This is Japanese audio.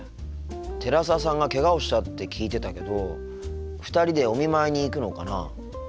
寺澤さんがけがをしたって聞いてたけど２人でお見舞いに行くのかなあ。